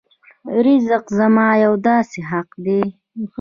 رزق زما یو داسې حق دی.